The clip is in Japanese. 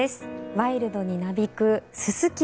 ワイルドになびくススキ。